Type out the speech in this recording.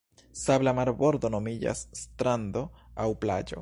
Sabla marbordo nomiĝas strando aŭ plaĝo.